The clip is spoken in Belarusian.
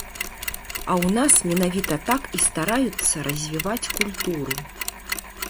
А ў нас менавіта так і стараюцца развіваць культуру.